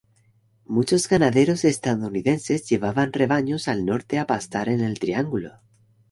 Muchos ganaderos estadounidenses llevaban rebaños al norte a pastar en el triángulo.